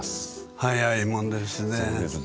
早いもんですね。